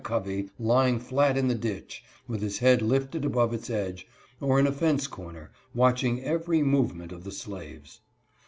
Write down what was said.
Covey lying flat in the ditch with his head lifted above its edge, or in a fence corner, watching every movement of the slaves.